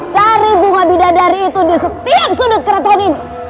cari bunga bidadari itu di setiap sudut keraton ini